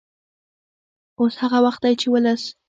اوس هغه وخت دی چې ولس